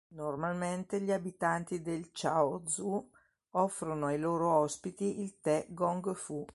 Normalmente gli abitanti del Chaozhou offrono ai loro ospiti il tè gong fu.